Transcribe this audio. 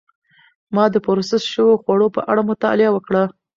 ما د پروسس شوو خوړو په اړه مطالعه وکړه.